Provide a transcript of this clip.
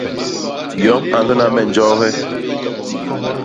Yom a nlona me njoohe.